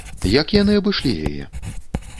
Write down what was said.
Як яны абышлі яе?